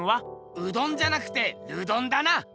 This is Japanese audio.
うどんじゃなくてルドンだな！